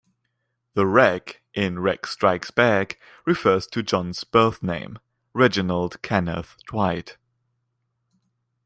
The "Reg" in "Reg Strikes Back" refers to John's birth name, Reginald Kenneth Dwight.